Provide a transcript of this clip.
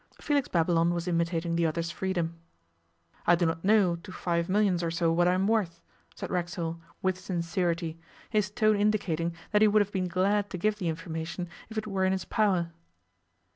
Felix Babylon was imitating the other's freedom. 'I do not know, to five millions or so, what I am worth,' said Racksole, with sincerity, his tone indicating that he would have been glad to give the information if it were in his power.